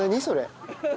それ。